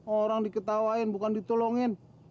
orang diketawain bukan ditolongin